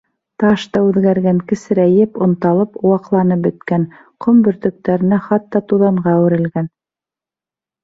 Таш та үҙгәргән: кесерәйеп, онталып, ваҡланып бөткән, ҡом бөртөктәренә, хатта туҙанға әүерелгән.